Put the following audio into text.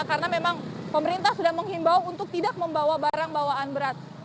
karena memang pemerintah sudah menghimbau untuk tidak membawa barang bawaan berat